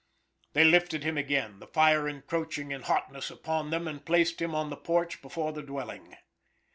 They lifted him again, the fire encroaching in hotness upon them and placed him on the porch before the dwelling.